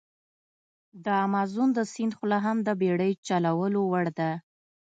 د امازون د سیند خوله هم د بېړی چلولو وړ ده.